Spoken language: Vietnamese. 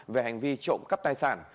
về hành vi trộm cắp tài sản